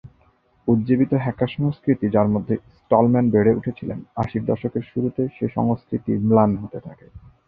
উজ্জীবিত হ্যাকার সংস্কৃতি যার মধ্যে স্টলম্যান বেড়ে উঠেছিলেন, আশির দশকের শুরুতে সে সংস্কৃতি ম্লান হতে থাকে।